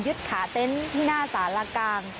ขาเต็นต์ที่หน้าสารกลาง